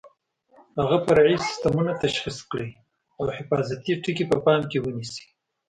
هغه فرعي سیسټمونه تشخیص کړئ او حفاظتي ټکي په پام کې ونیسئ.